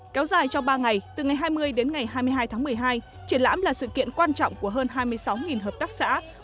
kéo dài trong ba ngày từ ngày hai mươi đến ngày hai mươi hai tháng một mươi hai triển lãm là sự kiện quan trọng của hơn hai mươi sáu hợp tác xã